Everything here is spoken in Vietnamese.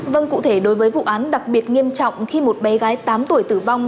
vâng cụ thể đối với vụ án đặc biệt nghiêm trọng khi một bé gái tám tuổi tử vong